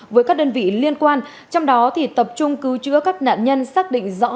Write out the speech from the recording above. với các đơn vị liên quan trong đó tập trung cứu chữa các nạn nhân xác định rõ